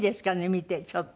見てちょっと。